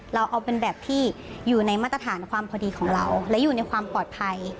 เราเอาเป็นแบบที่อยู่ในมาตรฐานความพอดีของเราและอยู่ในความปลอดภัย